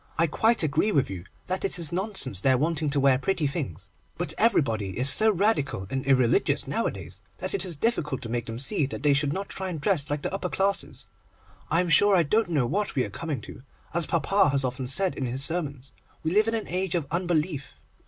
I quite agree with you that it is nonsense their wanting to wear pretty things, but everybody is so Radical and irreligious nowadays, that it is difficult to make them see that they should not try and dress like the upper classes. I am sure I don't know what we are coming to. As papa has often said in his sermons, we live in an age of unbelief.